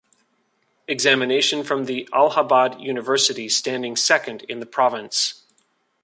Examination from the Allahabad University, standing second in the province.